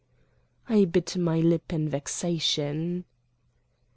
I bit my lip in vexation.